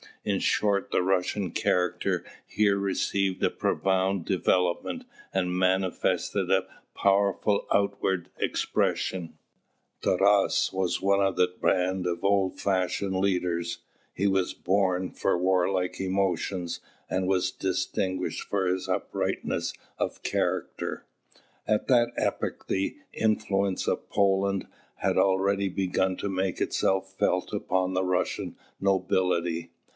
In short, the Russian character here received a profound development, and manifested a powerful outwards expression. (3) Cossack villages. In the Setch, a large wooden barrack. Taras was one of the band of old fashioned leaders; he was born for warlike emotions, and was distinguished for his uprightness of character. At that epoch the influence of Poland had already begun to make itself felt upon the Russian nobility.